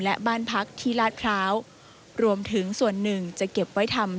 และบ้านพักที่ลาดพร้าวรวมถึงส่วนหนึ่งจะเก็บไว้ทำ